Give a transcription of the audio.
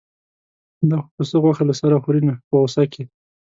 دا خو پسه غوښه له سره خوري نه په غوسه کې.